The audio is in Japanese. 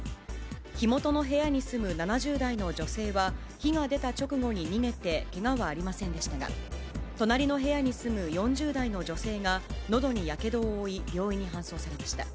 火元の部屋に住む７０代の女性は、火が出た直後に逃げてけがはありませんでしたが、隣の部屋に住む４０代の女性がのどにやけどを負い、病院に搬送されました。